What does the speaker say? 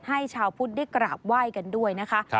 ให้ชาวพุทธได้กราบไหว้กันด้วยนะคะ